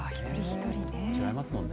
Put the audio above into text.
違いますもんね。